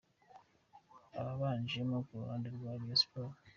Ababanjemo ku ruhande rwa Rayon Sports:.